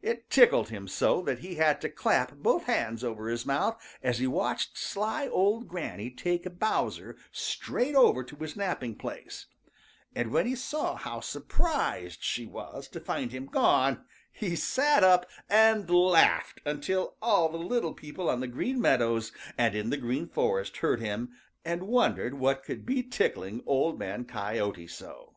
It tickled him so that he had to clap both hands over his mouth as he watched sly old Granny take Bowser straight over to his napping place, and when he saw how surprised she was to find him gone he sat up and laughed until all the little people on the Green Meadows and in the Green Forest heard him and wondered what could be tickling Old Man Coyote so.